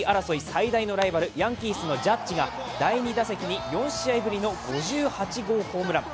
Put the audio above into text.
最大のライバル、ヤンキースのジャッジが第２打席に４試合ぶりの５８号ホームラン。